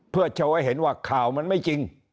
เพื่อโชว์ให้เห็นว่าข่าวมันไม่จริง